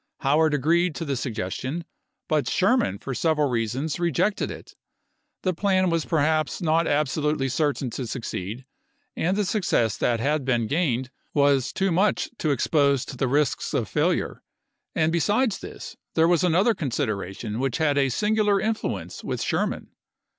Howard agreed to the suggestion, but Sherman for several reasons re jected it. The plan was perhaps not absolutely certain to succeed, and the success that had been gained was too much to expose to the risks of failure ; and besides this, there was another con sideration which had a singular influence with Sherman.